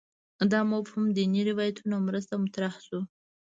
دا مفهوم دیني روایتونو مرسته مطرح شو